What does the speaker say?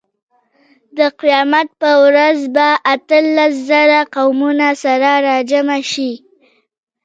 د قیامت په ورځ به اتلس زره قومونه سره راجمع شي.